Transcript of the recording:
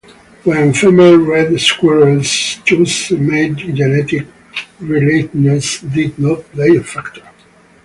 When female red squirrels chose a mate, genetic relatedness did not play a factor.